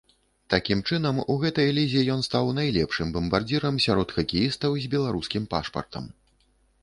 Такім чынам у гэтай лізе ён стаў найлепшым бамбардзірам сярод хакеістаў з беларускім пашпартам.